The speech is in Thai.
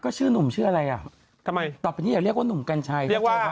ก็ชื่อหนุ่มชื่ออะไรอ่ะทำไมต่อไปนี้อย่าเรียกว่าหนุ่มกัญชัย